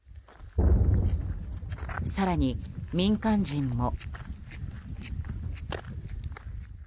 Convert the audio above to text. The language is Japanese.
更に、民間人も。